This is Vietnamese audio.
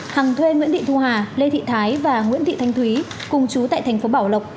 hằng thuê nguyễn thị thu hà lê thị thái và nguyễn thị thanh thúy cùng chú tại thành phố bảo lộc